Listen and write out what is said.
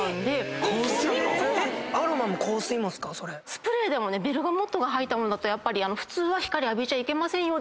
スプレーでもベルガモットが入った物だとやっぱり普通は光浴びちゃいけませんよで。